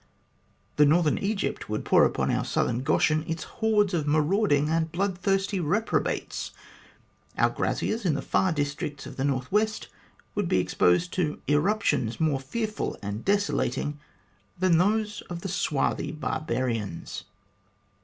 The northern Egypt would pour upon our southern Goshen its hordes of marauding and blood thirsty reprobates. Our graziers in the far districts of the north west would be exposed to irruptions more fearful and desolating than those of the swarthy barbarians."